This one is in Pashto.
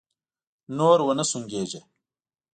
نور و نه سونګېږې!